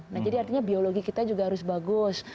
nah jadi artinya biologi kita juga harus bagus